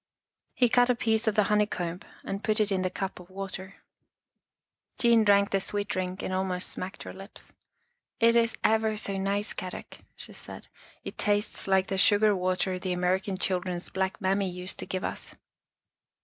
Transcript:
He cut a piece of the honey comb and put it in the cup of water. Jean lo6 Our Little Australian Cousin drank the sweet drink and almost smacked her lips. " It is ever so nice, Kadok," she said. " It tastes like the sugar water the American chil dren's black mammy used to give us."